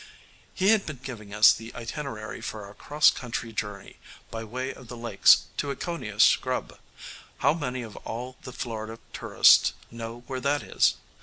He had been giving us the itinerary for our "cross country" journey, by way of the Lakes, to Ekoniah Scrub. How many of all the Florida tourists know where that is?